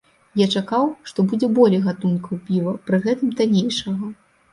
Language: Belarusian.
Я чакаў, што будзе болей гатункаў піва, пры гэтым танейшага.